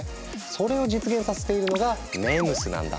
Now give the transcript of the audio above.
それを実現させているのがＭＥＭＳなんだ。